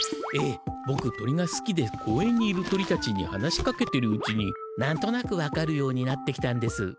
ええぼく鳥がすきで公園にいる鳥たちに話しかけてるうちに何となくわかるようになってきたんです。